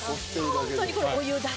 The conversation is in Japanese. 本当にお湯だけ。